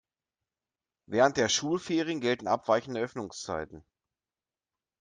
Während der Schulferien gelten abweichende Öffnungszeiten.